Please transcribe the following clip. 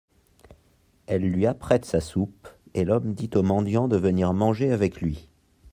Elle lui apprête sa soupe, et l'homme dit au mendiant de venir manger avec lui.